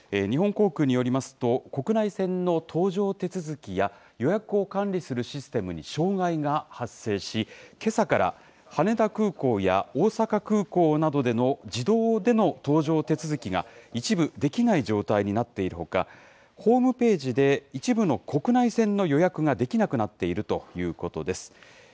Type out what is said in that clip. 日本航空によりますと、国内線の搭乗手続きや、予約を管理するシステムに障害が発生し、けさから羽田空港や大阪空港などでの自動での搭乗手続きが一部できない状態になっているほか、ホームページで、一部の国内線の予約ができなくなっているということです。